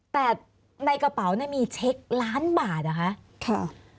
แต่ในกระเป๋าเนี่ยมีเช็คล้านบาทอะคะค่ะ